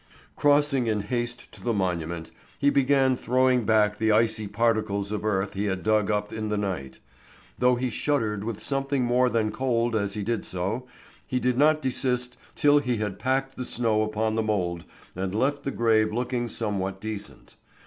Crossing in haste to the monument, he began throwing back the icy particles of earth he had dug up in the night. Though he shuddered with something more than cold as he did so, he did not desist till he had packed the snow upon the mould and left the grave looking somewhat decent.